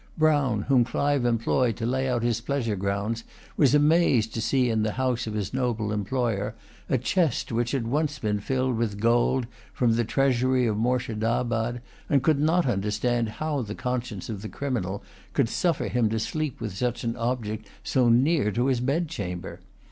Brown, whom Clive employed to lay out his pleasure grounds, was amazed to see in the house of his noble employer a chest which had once been filled with gold from the treasury of Moorshedabad, and could not understand how the conscience of the criminal could suffer him to sleep with such an object so near to his bedchamber.